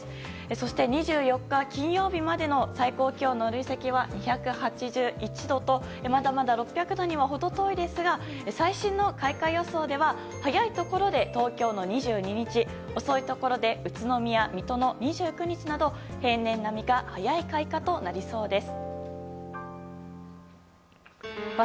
そして２４日金曜日までの最高気温の累積は２８１度とまだまだ６００度には程遠いですが最新の開花予想では早いところで東京の２２日遅いところで宇都宮、水戸の２９日など平年並みか早い開花となりそうです。